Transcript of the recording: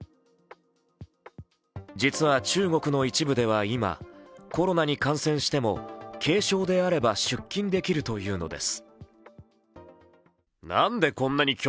実は中国の一部では今、コロナに感染しても軽症であれば出勤できるというのです。